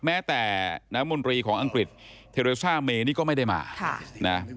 แม้แต่น้ำมนตรีของอังกฤษเทเรซ่าเมนี่ก็ไม่ได้มานะ